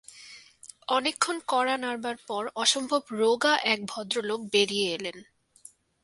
অনেকক্ষণ কড়া নাড়বার পর অসম্ভব রোগা এক ভদ্রলোক বেরিয়ে এলেন।